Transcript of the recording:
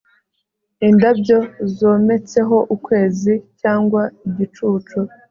Indabyo zometseho ukwezi cyangwa igicucu